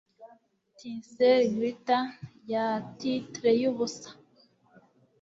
Tinsel glitter ya titre yubusa